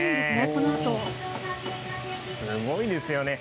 このあすごいですよね。